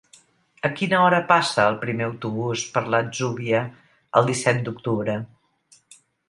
A quina hora passa el primer autobús per l'Atzúbia el disset d'octubre?